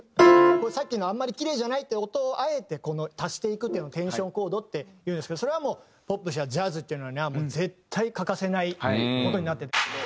さっきのあんまりキレイじゃないって音をあえて足していくっていうのをテンションコードっていうんですけどそれはもうポップスやジャズっていうのには絶対欠かせない音になってるんですけど。